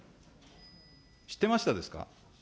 知ってましたですか。